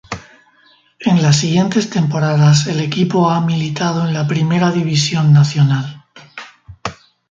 En las siguientes temporadas el equipo ha militado en la primera división nacional.